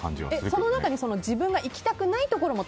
その中で自分が行きたくないところも